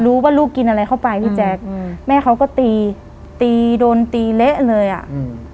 ลูกกินอะไรเข้าไปพี่แจ๊คอืมแม่เขาก็ตีตีโดนตีเละเลยอ่ะอืม